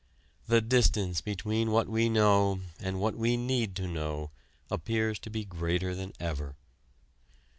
The distance between what we know and what we need to know appears to be greater than ever.